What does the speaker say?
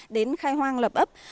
đến khai hoang lập ấp